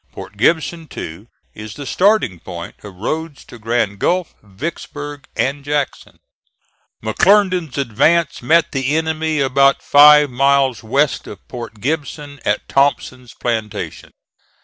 Port Gibson, too, is the starting point of roads to Grand Gulf, Vicksburg and Jackson. McClernand's advance met the enemy about five miles west of Port Gibson at Thompson's plantation.